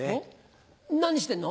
何してんの？